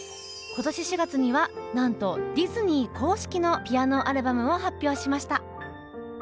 今年４月にはなんとディズニー公式のピアノアルバムを発表しました！